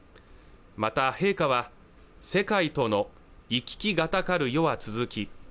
また陛下は「世界との往き来難かる世はつづき